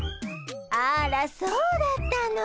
あらそうだったの。